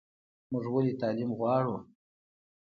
موږ ولې تعلیم غواړو؟